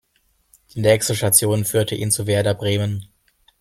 Die nächste Station führte ihn zu Werder Bremen.